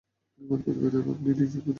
আমার পরিবার এলে আপনি নিজেই দেখতে পাবেন।